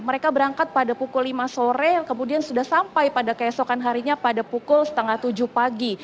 mereka berangkat pada pukul lima sore yang kemudian sudah sampai pada keesokan harinya pada pukul setengah tujuh pagi